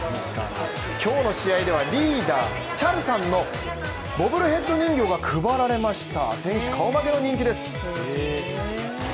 今日の試合では、リーダー、チャルさんのボブルヘッド人形が配られました。